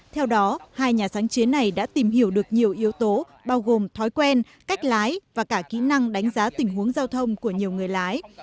theo đó hai nhà sáng chế này đã tìm hiểu được nhiều yếu tố bao gồm thói quen cách lái và cả kỹ năng đánh giá tình huống giao thông của nhiều người lái